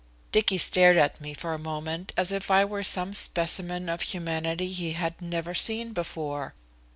Dicky stared at me for a moment as if I were some specimen of humanity he had never seen before.